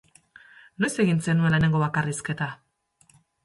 Noiz egin zenuen lehenengo bakarrizketa?